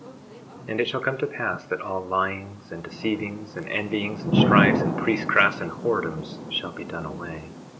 21:19 And it shall come to pass that all lyings, and deceivings, and envyings, and strifes, and priestcrafts, and whoredoms, shall be done away.